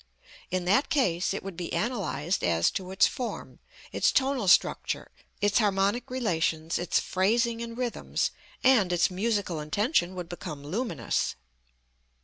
In that case it would be analyzed as to its form, its tonal structure, its harmonic relations, its phrasing and rhythms, and its musical intention would become luminous.